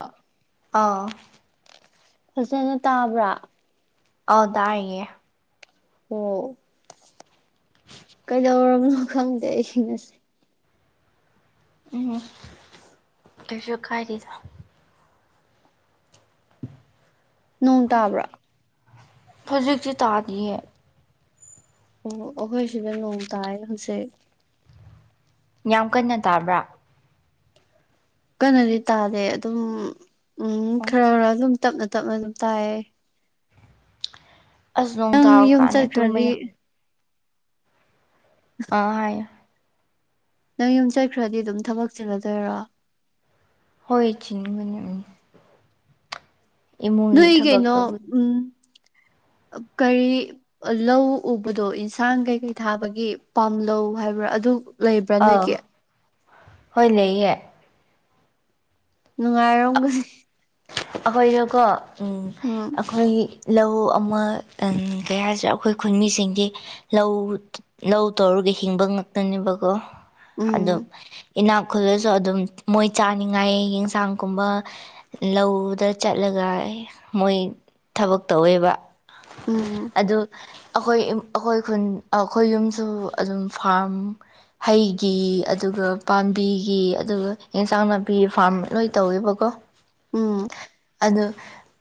ꯑ ꯑꯧ ꯐꯖꯅ ꯇꯥꯕ꯭ꯔꯥ ꯑꯧ ꯇꯥꯏꯌꯦ ꯑꯣ ꯀꯩꯗꯧꯔꯕꯅꯣ ꯈꯪꯗꯦ ꯑꯩꯒꯤ ꯉꯁꯤ ꯎꯝ ꯀꯩꯁꯨ ꯀꯥꯏꯗꯦꯗ [unintelligible] ꯅꯣꯡ ꯇꯥꯕ꯭ꯔꯣ ꯍꯧꯖꯤꯛꯇꯤ ꯇꯥꯗꯤꯌꯦ ꯑꯣ ꯑꯩꯈꯣꯏ ꯁꯤꯗ ꯅꯣꯡ ꯇꯥꯏ ꯍꯧꯖꯤꯛ ꯌꯥꯝ ꯀꯟꯅ ꯇꯥꯕ꯭ꯔꯥ ꯀꯟꯅꯗꯤ ꯇꯥꯗꯦ ꯑꯗꯨꯝ ꯎꯝ ꯑꯣ ꯈꯔ ꯈꯔ ꯑꯗꯨꯝ ꯇꯞꯅ ꯇꯞꯅ ꯑꯗꯨꯝ ꯇꯥꯏꯌꯦ ꯑꯁ ꯅꯣꯡ ꯅꯪ ꯇꯥꯕ ꯌꯨꯝ ꯀꯥꯟꯅ ꯇꯨꯝꯕ ꯆꯠꯈ꯭ꯔꯗꯤ ꯌꯥꯝ ꯑ ꯍꯥꯏ ꯅꯪ ꯌꯨꯝ ꯆꯠꯈ꯭ꯔꯗꯤ ꯑꯗꯨꯝ ꯊꯕꯛ ꯆꯤꯜꯂꯗꯣꯏꯔꯣ ꯍꯣꯏ ꯆꯤꯟꯒꯅꯤ ꯎꯝ ꯏꯃꯨꯡꯒꯤ ꯅꯣꯏꯒꯤ ꯊꯕꯛ ꯀꯩꯅꯣ ꯇꯧꯕ ꯎꯝ ꯀꯔꯤ ꯑ ꯂꯧ ꯎꯕꯗꯣ ꯏꯟꯁꯥꯡ ꯀꯩꯀꯩ ꯊꯥꯕꯒꯤ ꯄꯥꯝꯂꯧ ꯍꯥꯏꯕ꯭ꯔꯥ ꯑꯗꯨ ꯂꯩꯕ꯭ꯔꯥ ꯑꯧ ꯅꯣꯏꯒꯤ ꯍꯣꯏ ꯂꯩꯌꯦ ꯅꯨꯡꯉꯥꯏꯔꯝꯒ ꯑꯩꯈꯣꯏꯗꯣꯀꯣ ꯎꯝ ꯎꯝ ꯑꯩꯈꯣꯏꯒꯤ ꯂꯧ ꯑꯃ ꯇꯡ ꯀꯩ ꯍꯥꯏꯁꯤꯔꯥ ꯑꯩꯈꯣꯏ ꯈꯨꯟꯃꯤꯁꯤꯡꯗꯤ ꯂꯧ ꯂꯧ ꯇꯧꯔꯒ ꯍꯤꯡꯕ ꯉꯥꯛꯇꯅꯦꯕꯀꯣ ꯑꯗꯨꯝ ꯎꯝ ꯏꯅꯥꯛ ꯈꯨꯜꯁꯨ ꯑꯗꯨꯝ ꯃꯣꯏ ꯆꯥꯅꯤꯡꯉꯥꯏ ꯌꯦꯟꯁꯥꯡꯒꯨꯝꯕ ꯂꯧ ꯗ ꯆꯠꯂꯒ ꯃꯣꯏ ꯊꯕꯛ ꯇꯧꯋꯦꯕ ꯎꯝ ꯑꯗꯨ ꯑꯩꯈꯣꯏ ꯑꯩꯈꯣꯏ ꯈꯨꯟ ꯑꯩꯈꯣꯏ ꯌꯨꯝꯁꯨ ꯑꯗꯨꯝ ꯐꯥꯔꯝ ꯍꯩꯒꯤ ꯑꯗꯨꯒ ꯄꯥꯝꯕꯤꯒꯤ ꯑꯗꯨꯒ ꯑꯦꯟꯁꯥꯡ ꯅꯥꯄꯤ ꯐꯥꯔꯝ ꯂꯣꯏ ꯇꯧꯋꯦꯕꯀꯣ ꯎꯝ ꯑꯗꯨ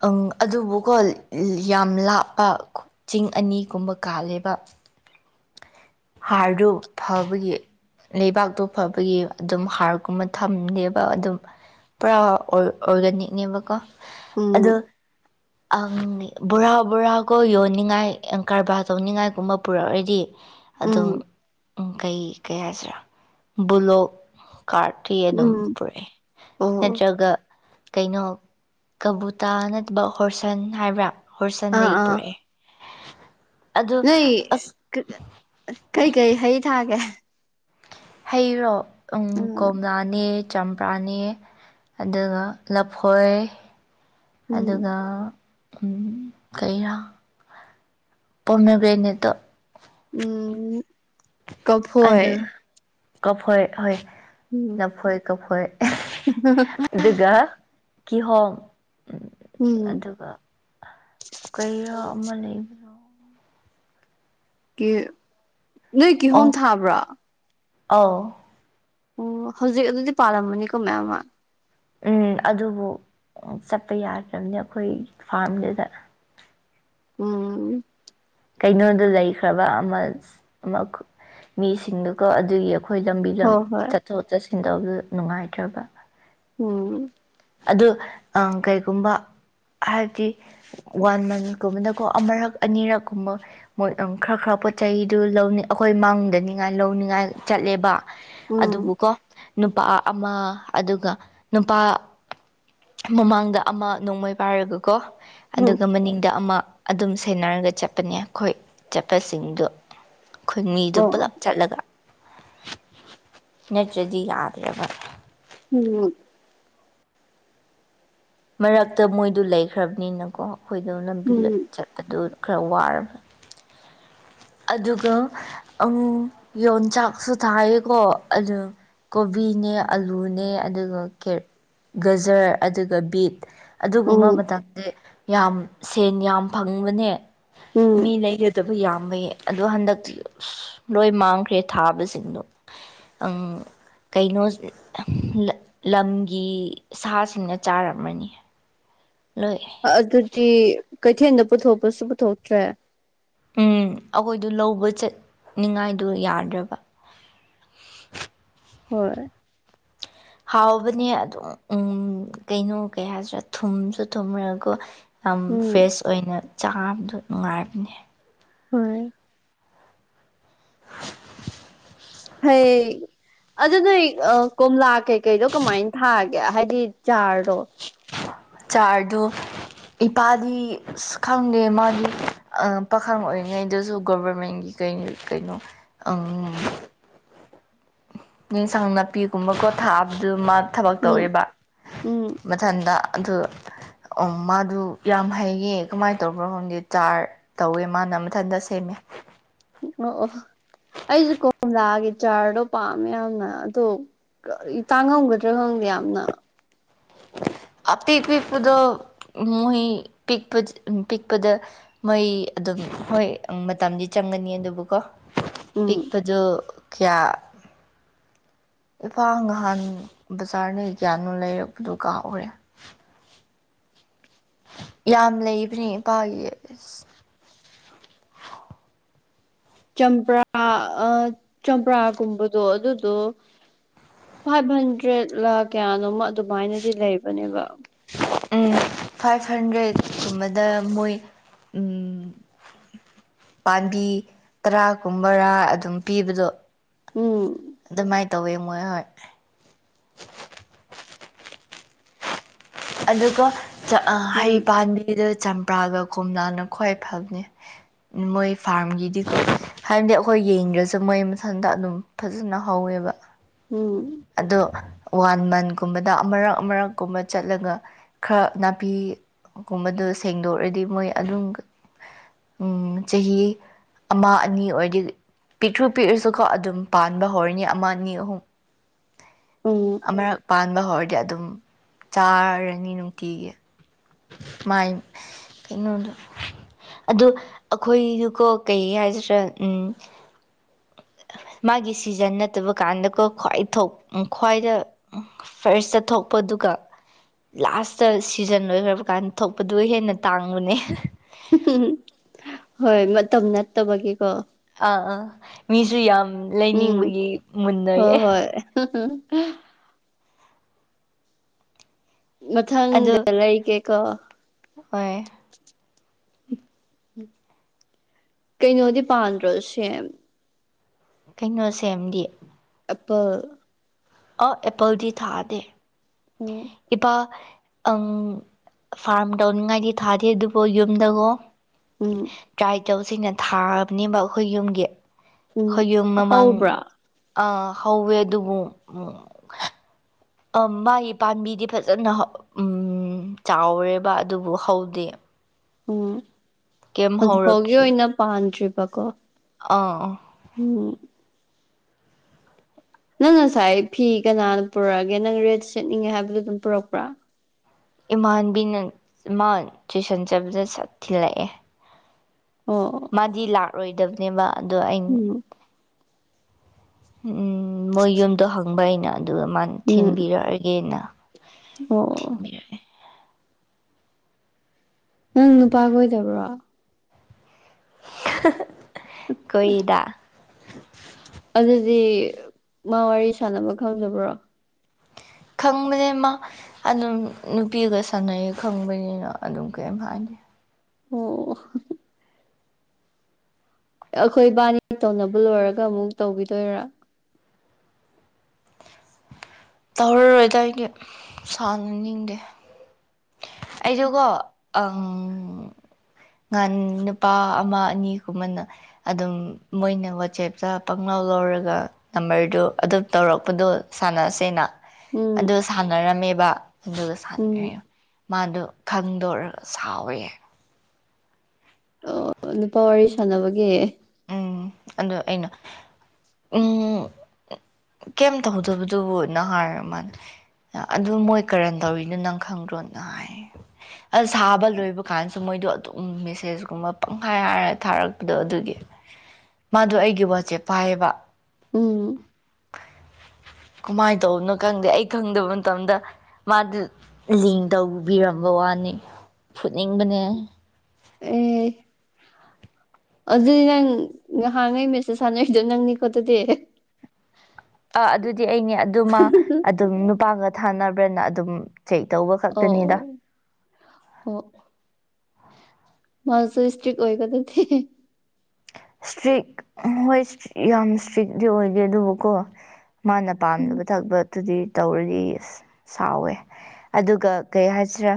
ꯑꯪ ꯑꯗꯨꯕꯨꯀꯣ ꯌꯥꯝ ꯂꯥꯞꯄ ꯆꯤꯡ ꯑꯅꯤꯒꯨꯝꯕ ꯀꯥꯜꯂꯦꯕ [unintelligible] [inaudible] ꯍꯥꯔꯗꯨ ꯐꯕꯒꯤ ꯂꯩꯕꯥꯛꯇꯣ ꯐꯕꯒꯤ ꯑꯗꯨꯝ ꯍꯥꯔꯒꯨꯝꯕ ꯊꯝꯗꯦꯕ ꯑꯗꯨꯝ ꯄꯨꯔꯥ ꯑꯣꯔ ꯑꯣꯔꯒꯥꯅꯤꯛꯅꯦꯕꯀꯣ ꯎꯝ ꯑꯗꯣ ꯑꯪ ꯕꯣꯔꯥ ꯕꯣꯔꯥꯀꯣ ꯌꯣꯟꯅꯤꯡꯉꯥꯏ ꯀꯔꯕꯥꯔ ꯇꯧꯅꯤꯡꯉꯥꯏꯒꯨꯝꯕ ꯄꯨꯔꯛꯂꯗꯤ ꯎꯝ ꯑꯗꯨꯝ ꯀꯩ ꯀꯩ ꯍꯥꯏꯁꯤꯔꯥ ꯕꯨꯂꯣꯛ ꯀꯥꯔꯠꯇꯤ ꯑꯗꯨꯝ ꯎꯝ ꯄꯨꯔꯛꯑꯦ ꯑꯣ ꯅꯠꯇ꯭ꯔꯒ ꯀꯩꯅꯣ ꯀꯕꯨꯇꯥ ꯅꯠꯇꯕ ꯍꯣꯔꯁꯟ ꯍꯥꯏꯕ꯭ꯔꯥ ꯑꯥ ꯍꯣꯔꯁꯟꯗꯒꯤ ꯑꯥ ꯄꯨꯔꯛꯑꯦ [inaudible] ꯅꯣꯏ ꯑꯁ ꯀꯩꯀꯩ ꯍꯩ ꯊꯥꯒꯦ ꯍꯩꯔꯣ ꯎꯝ ꯀꯣꯝꯂꯥꯅꯦ ꯆꯝꯄ꯭ꯔꯥꯅꯦ ꯑꯗꯨꯒ ꯂꯐꯣꯏ ꯎꯝ ꯑꯗꯨꯒ ꯎꯝ ꯀꯩꯔꯥ ꯄꯣꯃꯤꯒ꯭ꯔꯦꯅꯦꯠꯇꯣ ꯎꯝ ꯀꯐꯣꯏ ꯑꯗꯨ ꯀꯐꯣꯏ ꯍꯣꯏ ꯎꯝ ꯂꯐꯣꯏ ꯀꯐꯣꯏ ꯑꯗꯨꯒ ꯀꯤꯍꯣꯝ ꯎꯝ ꯑꯗꯨꯒ ꯀꯩꯔ ꯑꯃ ꯂꯩꯕ ꯀꯤ ꯅꯣꯏ ꯀꯤꯍꯣꯝ ꯊꯥꯕ꯭ꯔꯥ ꯑꯥꯎ ꯑꯣ ꯍꯧꯖꯤꯛ ꯑꯗꯨꯗꯤ ꯄꯥꯜꯂꯝꯃꯅꯤꯀꯣ ꯃꯌꯥꯝ ꯑꯃ ꯎꯝ ꯑꯗꯨꯕꯨ ꯆꯠꯄ ꯌꯥꯗ꯭ꯔꯕꯅꯤ ꯑꯩꯈꯣꯏ ꯐꯥꯔꯝꯗꯨꯗ ꯎꯝ ꯀꯩꯅꯣꯗ ꯂꯩꯈ꯭ꯔꯕ ꯑꯃ ꯃꯤꯁꯤꯡꯗꯨꯀꯣ ꯑꯗꯨꯒꯤ ꯑꯩꯈꯣꯏ ꯂꯝꯕꯤ ꯂꯝ ꯍꯣꯏ ꯍꯣꯏ ꯆꯠꯊꯣꯛ ꯆꯠꯁꯤꯟ ꯇꯧꯕꯗ ꯅꯨꯡꯉꯥꯏꯇ꯭ꯔꯕ ꯎꯝ ꯑꯗꯨ ꯀꯩꯒꯨꯝꯕ ꯍꯥꯏꯕꯗꯤ ꯋꯥꯟ ꯃꯟꯀꯨꯝꯕꯗꯀꯣ ꯑꯃꯔꯛ ꯑꯅꯤꯔꯛꯀꯨꯝꯕ ꯃꯣꯏ ꯈꯔ ꯈꯔ ꯄꯣꯠ ꯆꯩꯗꯨ ꯂꯧ ꯑꯩꯈꯣꯏ ꯃꯥꯡꯗꯅꯤꯉꯥꯏ ꯂꯧꯅꯤꯡꯉꯥꯏ ꯆꯠꯂꯦꯕ ꯎꯝ ꯑꯗꯨꯕꯨꯀꯣ ꯅꯨꯄꯥ ꯑꯃ ꯑꯗꯨꯒ ꯅꯨꯄꯥ ꯃꯃꯥꯡꯗ ꯑꯃ ꯅꯣꯡꯃꯩ ꯄꯥꯔꯒꯀꯣ ꯎꯝ ꯑꯗꯨꯒ ꯃꯅꯤꯡꯗ ꯑꯃ ꯑꯗꯨꯝ ꯁꯦꯟꯅꯔꯒ ꯆꯠꯄꯅꯦ ꯑꯩꯈꯣꯏ ꯆꯠꯄꯁꯤꯡꯗꯣ ꯈꯨꯟꯃꯤꯗꯨ ꯑꯣ ꯄꯨꯂꯞ ꯆꯠꯂꯒ ꯅꯠꯇ꯭ꯔꯗꯤ ꯌꯥꯗ꯭ꯔꯦꯕ ꯎꯝ ꯃꯔꯛꯇ ꯃꯣꯏꯗꯨ ꯂꯩꯈ꯭ꯔꯕꯅꯤꯅꯀꯣ ꯑꯩꯈꯣꯏꯗꯣ ꯂꯝꯕꯤ ꯎꯝ ꯆꯠꯄꯗꯨ ꯈꯔ ꯋꯥꯔꯕꯅꯤ ꯑꯗꯨꯒ ꯌꯣꯟꯆꯥꯛꯁꯨ ꯊꯥꯏꯌꯦꯀꯣ ꯑꯗꯨ ꯀꯣꯕꯤꯅꯦ ꯑꯂꯨꯅꯦ ꯑꯗꯨꯒ ꯒꯖꯔ ꯑꯗꯨꯒ ꯕꯤꯠ ꯑꯗꯨꯒꯨꯝꯕ ꯎꯝ ꯃꯇꯝꯗꯤ ꯌꯥꯝ ꯁꯦꯟ ꯌꯥꯝ ꯐꯪꯕꯅꯦ ꯃꯤ ꯎꯝ ꯂꯩꯒꯗꯕ ꯌꯥꯝꯕꯒꯤ ꯑꯗꯣ ꯍꯟꯗꯛꯇꯤ ꯑꯁ ꯂꯣꯏ ꯃꯥꯡꯈ꯭ꯔꯦ ꯊꯥꯕꯁꯤꯡꯗꯣ ꯑꯪ ꯀꯩꯅꯣ ꯂꯝꯒꯤ ꯁꯥꯁꯤꯡꯅ ꯆꯥꯔꯝꯃꯅꯤ ꯅꯣꯏ ꯑꯗꯨꯗꯤ ꯀꯩꯊꯦꯜꯗ ꯄꯨꯊꯣꯛꯄꯁꯨ ꯄꯨꯊꯣꯛꯇ꯭ꯔꯦ ꯎꯝ ꯑꯩꯈꯣꯏꯗꯨ ꯂꯧꯕ ꯆꯠꯅꯤꯉꯥꯏꯗ ꯌꯥꯗ꯭ꯔꯕ ꯍꯣꯏ ꯍꯥꯎꯕꯅꯦ ꯑꯗꯨꯝ ꯎ ꯀꯩꯅꯣ ꯀꯩ ꯍꯥꯏꯁꯤꯔꯥ ꯊꯨꯝꯁꯨ ꯊꯨꯝꯃꯒꯣ ꯌꯥꯝ ꯎꯝ ꯐ꯭ꯔꯦꯁ ꯑꯣꯏꯅ ꯆꯥꯕꯗꯣ ꯅꯨꯡꯉꯥꯏꯕꯅꯦ ꯍꯣꯏ ꯐꯩ ꯑꯗꯨ ꯅꯣꯏ ꯀꯣꯝꯂꯥ ꯀꯩꯀꯩꯗꯣ ꯀꯃꯥꯏꯅ ꯊꯥꯒꯦ ꯍꯥꯏꯗꯤ ꯆꯥꯔꯗꯣ ꯆꯥꯔꯗꯣ ꯏꯄꯥꯗꯤ ꯑꯁ ꯈꯪꯗꯦ ꯃꯥꯗꯤ ꯑꯥ ꯄꯥꯈꯪ ꯑꯣꯏꯔꯤꯉꯩꯗꯁꯨ ꯒꯣꯕꯔꯃꯦꯟꯒꯤ ꯀꯩ ꯀꯩꯅꯣ ꯑꯪ ꯌꯦꯟꯁꯥꯡ ꯅꯥꯄꯤꯒꯨꯝꯕꯀꯣ ꯊꯥꯕꯗꯨ ꯃꯥ ꯊꯕꯛ ꯎꯝ ꯇꯧꯋꯦꯕ ꯎꯝ ꯃꯊꯟꯗ ꯑꯗꯨ ꯑꯝ ꯃꯥꯗꯨ ꯌꯥꯝ ꯍꯩꯌꯦ ꯀꯃꯥꯏꯅ ꯇꯧꯕ꯭ꯔꯣ ꯈꯪꯗꯦ ꯆꯥꯔ ꯇꯧꯋꯦ ꯃꯥꯅ ꯃꯊꯟꯗ ꯁꯦꯃꯦ ꯑꯣ ꯑꯣ ꯑꯩꯁꯨ ꯀꯣꯝꯂꯥꯒꯤ ꯆꯥꯔꯗꯣ ꯄꯥꯝꯃꯦ ꯌꯥꯝꯅ ꯑꯗꯣ ꯀꯔꯤ ꯇꯥꯡꯉꯝꯒꯗ꯭ꯔꯥ ꯈꯪꯗꯦ ꯌꯥꯝꯅ ꯑꯄꯤꯛ ꯄꯤꯛꯄꯗ ꯃ ꯄꯄ ꯄꯤꯛꯄꯗ ꯃꯣꯏ ꯑꯗꯨꯝ ꯍꯣꯏ ꯃꯇꯝꯗꯤ ꯆꯪꯒꯅꯤ ꯑꯗꯨꯕꯨꯀꯣ ꯎꯝ ꯄꯤꯛꯄꯖ ꯀꯌꯥ ꯏꯐꯥꯜ ꯅꯍꯥꯟ ꯕꯖꯥꯔꯅ ꯀ꯭ꯌꯥꯅꯣ ꯂꯩꯔꯛꯄꯗꯨꯣ ꯀꯥꯎꯔꯦ ꯌꯥꯝ ꯂꯩꯕꯅꯦ ꯏꯄꯥꯒꯤ ꯆꯝꯄ꯭ꯔꯥ ꯑ ꯆꯝꯄ꯭ꯔꯥꯒꯨꯝꯕꯗꯣ ꯑꯗꯨꯗꯣ ꯐꯥꯏꯚ ꯍꯟꯗ꯭ꯔꯦꯠ ꯂꯥ ꯀꯌꯥꯅꯣꯃ ꯑꯗꯨꯃꯥꯏꯅꯗꯤ ꯂꯩꯕꯅꯦꯕ ꯐꯥꯏꯚ ꯍꯟꯗ꯭ꯔꯦꯠ ꯀꯨꯝꯕꯗ ꯃꯣꯏ ꯄꯥꯝꯕꯤ ꯇꯔꯥ ꯀꯨꯝꯕꯔꯥ ꯑꯗꯨꯝ ꯄꯤꯕꯗꯣ ꯎꯝ ꯑꯗꯨꯃꯥꯏꯅ ꯇꯧꯋꯦ ꯃꯣꯏ ꯍꯣꯏ ꯑꯗꯨꯒ ꯎꯝ ꯍꯩ ꯄꯥꯝꯕꯤꯗ ꯆꯝꯄ꯭ꯔꯥꯒ ꯀꯣꯝꯂꯥꯅ ꯈ꯭ꯋꯥꯏ ꯐꯕꯅꯤ ꯃꯣꯏ ꯐꯥꯔꯝꯒꯤꯗꯤ ꯍꯥꯏꯕꯗꯤ ꯑꯩꯈꯣꯏ ꯌꯦꯡꯗ꯭ꯔꯁꯨ ꯃꯣꯏ ꯃꯊꯟꯇ ꯑꯗꯨꯝ ꯐꯖꯅ ꯍꯧꯋꯦꯕ ꯎꯝ ꯑꯗꯣ ꯋꯥꯟ ꯃꯟꯀꯨꯝꯕꯗ ꯑꯃꯔꯛ ꯑꯃꯔꯛꯀꯨꯝꯕ ꯆꯠꯂꯒ ꯈꯔ ꯅꯥꯄꯤꯒꯨꯝꯕꯗꯣ ꯁꯦꯡꯗꯣꯛꯔꯗꯤ ꯃꯣꯏ ꯑꯗꯨꯝ ꯎꯝ ꯆꯍꯤ ꯑꯃ ꯑꯅꯤ ꯑꯣꯏꯔꯗꯤ ꯄꯤꯛꯈ꯭ꯔꯨ ꯄꯤꯛꯑꯁꯨꯀꯣ ꯑꯗꯨꯝ ꯄꯥꯟꯕ ꯍꯧꯔꯅꯤ ꯑꯃ ꯑꯅꯤ ꯑꯍꯨꯝ ꯑ ꯑꯃꯨꯔꯛ ꯄꯥꯟꯕ ꯍꯧꯔꯗꯤ ꯑꯗꯨꯝ ꯆꯥꯔꯅꯤ ꯅꯨꯡꯇꯤꯒꯤ ꯃꯌ ꯀꯩꯅꯣ ꯑꯣ ꯑꯩꯈꯣꯏꯗꯨꯀꯣ ꯀꯩ ꯍꯥꯏꯁꯤ꯭ꯔꯥ ꯎꯝ ꯃꯥꯒꯤ ꯁꯤꯖꯟ ꯅꯠꯇꯕ ꯀꯥꯟꯗꯀꯣ ꯈ꯭ꯋꯥꯏ ꯈ꯭ꯋꯥꯏꯗ ꯐꯥꯔꯁꯇ ꯊꯣꯛꯄꯗꯨ ꯂꯥꯁꯇ ꯁꯤꯖꯟ ꯑꯣꯏꯈ꯭ꯔ ꯑꯗꯨꯀꯥꯟ ꯊꯣꯛꯄꯗꯨ ꯍꯦꯟꯅ ꯇꯥꯡꯕꯅꯦ ꯍꯣꯏ ꯃꯇꯝ ꯅꯠꯇꯕꯒꯤꯀꯣ ꯑꯥ ꯑꯥ ꯃꯤꯁꯨ ꯌꯥꯝ ꯂꯩꯅꯤꯡꯕꯒꯤ ꯃꯨꯟꯅꯌꯦ ꯎꯝ ꯎꯝ ꯃꯊꯪꯗ ꯂꯩꯒꯦꯀꯣ ꯍ ꯀꯩꯅꯣꯗꯤ ꯄꯥꯟꯗ꯭ꯔꯣꯁ ꯀꯩꯅꯣ ꯁꯦꯝꯗꯤ ꯑꯄ ꯑꯧ ꯑꯦꯄꯜꯗꯤ ꯊꯥꯗꯦ ꯎꯝ ꯏꯄꯥ ꯑꯪ ꯐꯥꯔꯝ ꯇꯧꯅꯤꯡꯉꯥꯏꯗꯤ ꯊꯥꯗꯦ ꯑꯗꯨꯕꯨ ꯌꯨꯝꯗꯒꯣ ꯎꯝ ꯇ꯭ꯔꯥꯏꯆꯧꯁꯤꯡꯅ ꯊꯥꯕꯅꯦꯕ ꯑꯩꯈꯣꯏ ꯌꯨꯝꯒꯤ ꯎꯝ ꯑꯩꯈꯣꯏ ꯌꯨꯝ ꯃꯃꯥꯡ ꯍꯧꯕ꯭ꯔꯥ ꯑ ꯍꯧꯋꯦ ꯑꯗꯨꯕꯨ ꯃꯥꯒꯤ ꯄꯥꯝꯕꯤꯗꯤ ꯐꯖꯅ ꯆꯥꯎꯔꯦꯕ ꯑꯗꯨꯕꯨ ꯍꯧꯗꯦ ꯎꯝ ꯀꯩꯝ ꯍꯧꯖꯤꯛ ꯐꯥꯎꯒꯤ ꯍꯧꯔꯛꯇ꯭ꯔꯤ ꯑꯣꯏꯅ ꯄꯥꯟꯗ꯭ꯔꯤꯕꯀꯣ ꯑꯥ ꯎꯝ ꯅꯪ ꯉꯁꯥꯏ ꯐꯤ ꯀꯅꯥꯅ ꯄꯨꯔꯛꯑꯒꯦ ꯅꯪ ꯔꯦꯠ ꯁꯦꯠꯅꯤꯡꯉꯦ ꯍꯥꯏꯕꯗꯨꯣ ꯑꯗꯨꯝ ꯄꯨꯔꯛꯄ꯭ꯔꯥ ꯏꯃꯥꯟꯕꯤꯅ ꯏꯃꯥꯟ ꯇꯨꯏꯁꯟ ꯆꯠꯕꯗ ꯆ ꯊꯤꯜꯂꯛꯑꯦ ꯑꯣ ꯃꯥꯗꯤ ꯂꯥꯛꯂꯣꯏꯗꯕꯅꯦꯕ ꯑꯗꯣ ꯑꯩꯅ ꯎꯝ ꯎꯝ ꯃꯣꯏ ꯌꯨꯝꯗꯣ ꯍꯪꯕ ꯑꯩꯅ ꯑꯗꯨꯒ ꯃꯥ ꯎꯝ ꯊꯤꯟꯕꯤꯔꯛꯑꯒꯦꯅ ꯑꯣ ꯊꯤꯟꯕꯤꯔꯛꯑꯦ ꯅꯪ ꯅꯨꯄꯥꯒ ꯑꯣꯏꯗꯕ꯭ꯔꯣ ꯀꯣꯏꯗ ꯑꯗꯨꯗꯤ ꯃꯥ ꯋꯥꯔꯤ ꯁꯥꯟꯅꯕ ꯈꯪꯗꯕ꯭ꯔꯣ ꯈꯪꯕꯅꯦ ꯃꯥ ꯑꯗꯨꯝ ꯅꯨꯄꯤꯒ ꯁꯥꯟꯅꯩ ꯈꯪꯕꯅꯤꯅ ꯑꯗꯨꯝ ꯀꯔꯤꯝ ꯍꯥꯏꯗꯦ ꯑꯣ ꯑꯩꯈꯣꯏ ꯏꯕꯥꯅꯤ ꯇꯧꯅꯕ ꯂꯣꯏꯔꯒ ꯑꯃꯨꯛ ꯇꯧꯕꯤꯗꯣꯏꯔꯥ ꯇꯧꯔꯔꯣꯏꯗ ꯑꯩꯗꯤ ꯁꯥꯟꯅꯅꯤꯡꯗꯦ ꯑꯩꯗꯨꯀꯣ ꯉꯍꯥꯟ ꯅꯨꯄꯥ ꯑꯃ ꯑꯅꯤꯒꯨꯝꯕꯅ ꯑꯗꯨꯝ ꯃꯣꯏꯅ ꯋꯥꯆꯦꯞꯇ ꯄꯪꯂꯧ ꯂꯧꯔꯒ ꯅꯝꯕꯔꯗꯨ ꯑꯗꯨꯝ ꯇꯧꯔꯛꯄꯗꯣ ꯁꯥꯟꯅꯁꯦꯅ ꯎꯝ ꯑꯗꯨ ꯁꯥꯟꯅꯔꯝꯃꯦꯕ ꯑꯗꯨꯒ ꯁꯥꯟꯅ ꯎꯝ ꯃꯥꯗꯣ ꯈꯪꯗꯣꯔꯒ ꯁꯥꯎꯋꯦ ꯑꯣ ꯅꯨꯄꯥ ꯋꯥꯔꯤ ꯁꯥꯟꯅꯕꯒꯤ ꯎꯝ ꯑꯗ ꯑꯩꯅ ꯎꯝ ꯀꯩꯝ ꯇꯧꯍꯧꯗꯕꯗꯨꯕꯨ ꯅ ꯍꯥꯏꯔ ꯃꯥꯂ ꯑꯗꯨ ꯃꯣꯏ ꯀꯔꯝ ꯇꯧꯔꯤꯅꯣ ꯅꯪ ꯈꯪꯗ꯭ꯔꯣꯅ ꯍꯥꯏ ꯑꯁ ꯁꯥꯕ ꯂꯣꯏꯕ ꯀꯥꯟꯁꯨ ꯃꯣꯏꯗꯣ ꯑꯗꯨꯝ ꯃꯦꯁꯦꯁꯀꯨꯝꯕ ꯄꯪꯈꯥꯏ ꯍꯥꯏꯔ ꯊꯥꯔꯛꯄꯗꯣ ꯑꯗꯨꯒꯤ ꯃꯥꯗꯣ ꯑꯩꯒꯤ ꯋꯥꯆꯦꯞ ꯄꯥꯏꯌꯦꯕ ꯎꯝ ꯀꯃꯥꯏꯅ ꯇꯧꯕꯅꯣ ꯈꯪꯗꯦ ꯑꯩ ꯈꯪꯗꯕ ꯃꯇꯝꯗ ꯃꯥꯗꯨ ꯂꯤꯡ ꯇꯧꯕꯤꯔꯝꯕ ꯋꯥꯅꯤ ꯐꯨꯠꯅꯤꯡꯕꯅꯦ [unintelligible] ꯑꯗꯨꯗꯤ ꯅꯪ ꯉꯍꯥꯡꯉꯩ ꯃꯦꯁꯦꯁ ꯊꯥꯅꯔꯤꯗꯣ ꯅꯪꯅꯤꯀꯣ ꯑꯗꯨꯗꯤ ꯑ ꯑꯗꯨꯗꯤ ꯑꯩꯅꯦ ꯑꯗꯨꯃ ꯑꯗꯨꯝ ꯅꯨꯄꯥꯒ ꯊꯥꯅꯕ꯭ꯔꯅ ꯑꯗꯨꯝ ꯆꯩꯛ ꯇꯧꯕ ꯑꯣ ꯈꯛꯇꯅꯤꯗ ꯑꯣ ꯑꯣ ꯃꯟꯁꯨ ꯏꯁꯇ꯭ꯔꯤꯛ ꯑꯣꯏꯗꯗꯤ ꯏꯁꯇ꯭ꯔꯤꯛ ꯍꯣꯏ ꯌꯥꯝ ꯏꯁꯇ꯭ꯔꯤꯛꯇꯛꯇꯤ ꯑꯣꯏꯗꯦ ꯑꯗꯨꯕꯨꯀꯣ ꯃꯥꯅ ꯎꯝ ꯄꯥꯝꯗꯕ ꯊꯕꯛꯇꯨꯗꯤ ꯇꯧꯔꯗꯤ ꯑ ꯁꯥꯎꯋꯦ ꯑꯗꯨꯒ ꯀꯩ ꯍꯥꯏꯁꯤꯔꯥ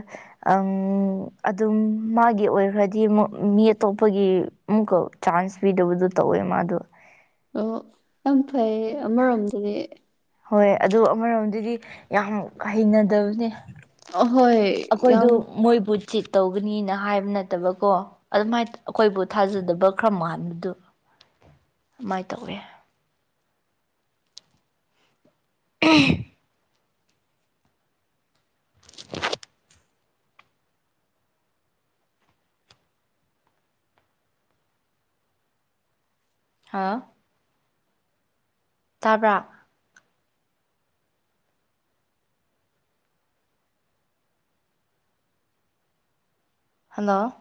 ꯑꯗꯨꯝ ꯃꯥꯒꯤ ꯑꯣꯏꯈ꯭ꯔꯗꯤ ꯑꯃꯨꯛ ꯃꯤ ꯑꯇꯣꯞꯄꯒꯤ ꯑꯃꯨꯛꯀ ꯆꯥꯟꯁ ꯄꯤꯗꯕꯗꯣ ꯇꯧꯋꯦ ꯃꯥꯗꯣ ꯑꯣ ꯌꯥꯝ ꯐꯩ ꯑꯃꯔꯣꯝꯗꯗꯤ ꯍꯣꯏ ꯑꯗꯨ ꯑꯃꯔꯣꯝꯗꯗꯤ ꯌꯥꯝ ꯍꯩꯅꯗꯕꯅꯦ ꯑꯍꯣꯏ ꯌꯥꯝ ꯑꯩꯈꯣꯏꯗꯣ ꯃꯣꯏꯕꯨ ꯆꯤꯠ ꯇꯧꯒꯅꯤꯅ ꯍꯥꯏꯕ ꯅꯠꯇꯕꯀꯣ ꯑꯗꯨꯃꯥꯏꯅ ꯑꯩꯈꯣꯏꯕꯨ ꯊꯥꯖꯗꯕ ꯈ꯭ꯔ ꯃꯣꯥꯟꯕꯗꯨ ꯑꯗꯨꯃꯥꯏꯅ ꯇꯧꯋꯦ ꯎ ꯍꯥꯥ ꯇꯥꯕ꯭ꯔꯥ ꯍꯜꯂꯣ